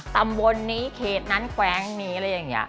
ตำบลนี้เขตนั้นแกว้งนี้อะไรอย่างนี้